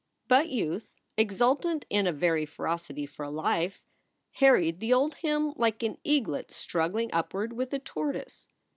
But Youth, exultant in a very ferocity for life, harried the old hymn like an eaglet struggling upward with a tortoise.